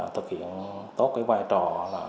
thực hiện tốt cái vai trò